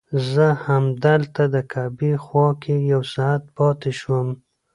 زه همدلته د کعبې خوا کې یو ساعت پاتې شوم.